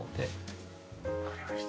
わかりました。